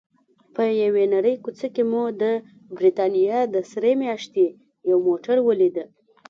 په یوې نرۍ کوڅه کې مو د بریتانیا د سرې میاشتې یو موټر ولید.